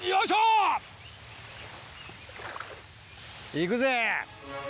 いくぜ。